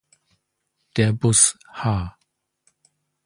Der Bus h